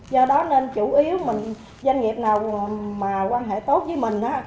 do đó nên chủ yếu mình doanh nghiệp nào mà quan hệ tốt với mình á